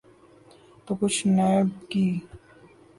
تو کچھ نیب کی۔